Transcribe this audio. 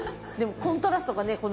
でもコントラストがね